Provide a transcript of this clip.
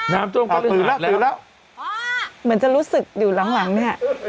น้ำท่วมก็ลึกหาดแล้วตื่นแล้วตื่นแล้วเหมือนจะรู้สึกอยู่หลังเนี่ย